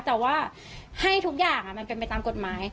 แต่ว่าให้ทุกอย่างมันเป็นไปตามกฎหมาย